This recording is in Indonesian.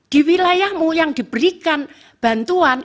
di wilayahmu yang diberikan bantuan